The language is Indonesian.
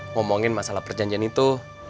ngomongin masalah perjanjian itu